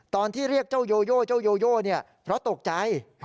ตอนที่เรียกเจ้าโยโยเจ้าโยโยเนี่ยเพราะตกใจ